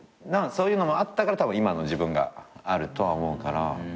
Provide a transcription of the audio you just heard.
そういうのもあったから今の自分があるとは思うから。